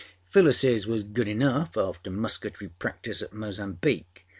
Phyllisâs was good enough after musketry practice at Mozambique.